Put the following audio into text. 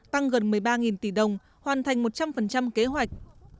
tăng gần một mươi ba tỷ đồng hoàn thành một trăm linh kế hoạch